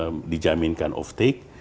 dia bisa dijaminkan off take